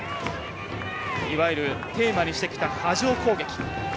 いわゆるテーマにしてきた波状攻撃。